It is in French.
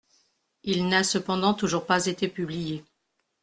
Il n’a cependant toujours pas été publié.